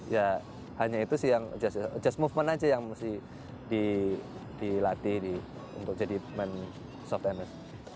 ya hanya itu sih yang adjust movement aja yang mesti dilatih untuk jadi main soft tenis